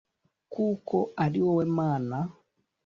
kuko ari wowe mana